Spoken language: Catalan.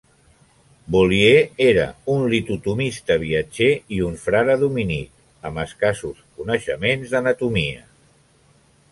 Beaulieu era un litotomista viatger i un frare dominic, amb escassos coneixements d'anatomia.